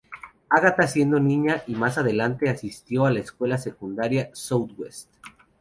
Agatha siendo niña y más adelante asistió a la escuela secundaria Southwest.